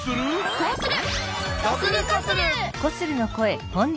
こうする！